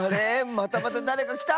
またまただれかきた！